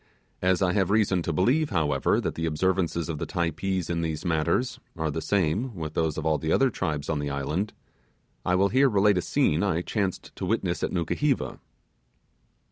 As I have reason to believe, however, the observances of the Typees in these matters are the same with those of all the other tribes in the island, I will here relate a scene I chanced to witness at Nukuheva.